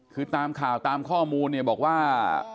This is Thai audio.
คือตามข่าวตามข้อมูลเนี่ยบอกว่า